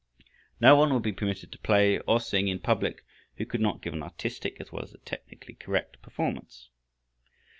No one would be permitted to play, or sing in public who could not give an artistic, as well as a technically correct performance.